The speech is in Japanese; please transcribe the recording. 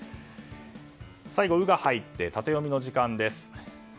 最後「ウ」が入ってタテヨミの時間です。